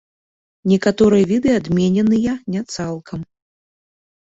Некаторыя віды адмененыя не цалкам.